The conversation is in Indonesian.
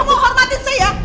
kamu hormatin saya